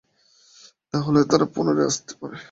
তাহলে তারা পুনরায় আসতে পারে।